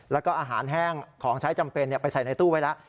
แล้วก็อาหารแห้งของใช้จำเป็นไปใส่ในตู้ไว้แล้ว